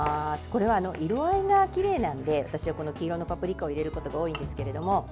これは色合いがきれいなので私は黄色のパプリカを入れることが多いんですけれども。